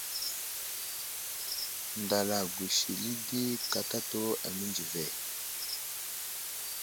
Ndala gusisili di katatu amənzi ve.